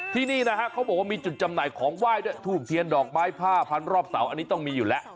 ที่นี่นะฮะเขาบอกว่ามีจุดจำหน่ายของไหว้ด้วยทูบเทียนดอกไม้ผ้าพันรอบเสาอันนี้ต้องมีอยู่แล้ว